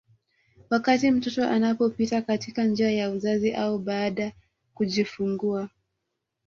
Wakati mtoto anapopita katika njia ya uzazi au baada kujifungua